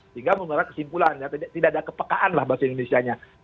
hingga mengarah kesimpulan tidak ada kepekaan lah bahasa indonesia nya